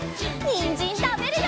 にんじんたべるよ！